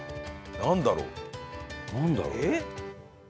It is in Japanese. なんだろう？えっ？